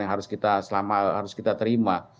yang harus kita selama harus kita terima